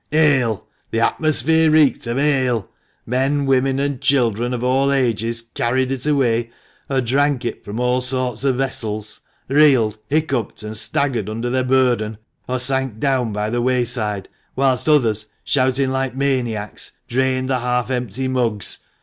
Ale ! the atmosphere reeked of ale ! Men, women, and children of all ages carried it away, or drank it from all sorts of vessels ; reeled, hiccoughed, and staggered under their burden, or sank down by the wayside ; whilst others, shouting like maniacs, drained the half empty mugs.